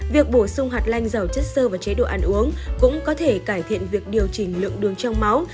việc bổ sung hạt lanh giàu chất sơ và chế độ ăn uống cũng có thể cải thiện việc điều chỉnh lượng đường trong máu